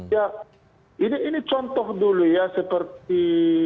ya ini contoh dulu ya seperti